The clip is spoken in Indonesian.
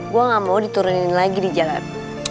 gue gak mau diturunin lagi di jalan